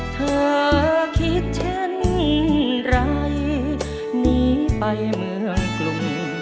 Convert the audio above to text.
เธอคิดเช่นไรหนีไปเมืองกรุง